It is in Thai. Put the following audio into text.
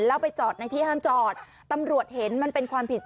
แล้วไปจอดในที่ห้ามจอดตำรวจเห็นมันเป็นความผิด